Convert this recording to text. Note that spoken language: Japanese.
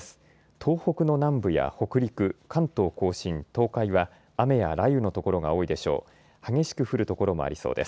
東北の南部や北陸、関東甲信、東海は雨や雷雨の所が多いでしょう。